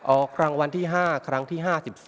ออกรางวัลที่๕ครั้งที่๕๒